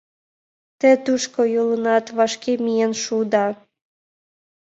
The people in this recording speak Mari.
— Те тушко йолынат вашке миен шуыда.